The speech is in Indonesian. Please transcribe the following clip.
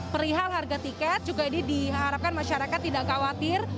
perihal harga tiket juga ini diharapkan masyarakat tidak khawatir